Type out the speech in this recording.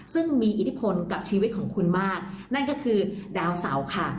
ซึ่งมีอิทธิพลกับชีวิตของคุณมากนั่นก็คือดาวเสาค่ะ